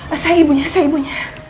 asah ibunya asah ibunya